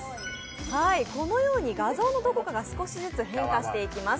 このように画像のどこかが少しずつ変化していきます。